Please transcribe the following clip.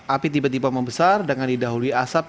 api tiba tiba membesar dengan didahului asap